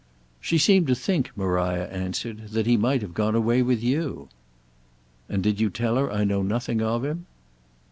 "She seemed to think," Maria answered, "that he might have gone away with you." "And did you tell her I know nothing of him?"